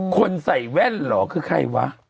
คนใส่แว่นเหรอคือใครวะ